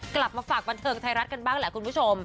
กลับมาฝากบันเทิงไทยรัฐกันบ้างแหละคุณผู้ชม